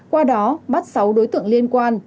qua đó bắt sáu đối tượng liên quan